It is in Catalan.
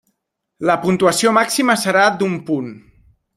La puntuació màxima serà d'un punt.